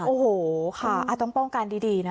โอ้โหค่ะต้องป้องกันดีนะ